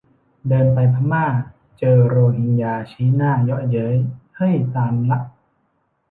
เดินไปพม่า เจอโรฮิงญาชี้หน้าเยาะเย้ย เฮ่ยตามึงละ